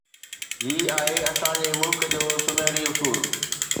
هي آهي اسان جي ملڪ جو سونهري اصول.